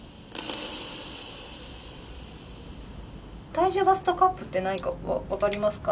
体重バストカップって何か分かりますか？